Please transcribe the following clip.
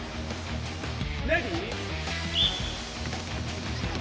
レディー。